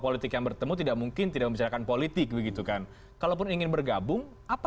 politik yang bertemu tidak mungkin tidak membicarakan politik begitu kan kalaupun ingin bergabung apa